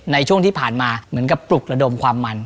ในช่วงที่ผ่านมาเหมือนกับปลุกระดมความมัน